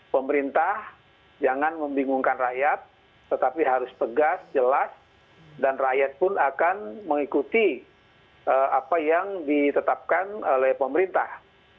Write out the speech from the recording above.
pemerintah jangan membingungkan rakyat tetapi harus tegas jelas dan rakyat pun akan mengikuti apa yang ditetapkan oleh pemerintah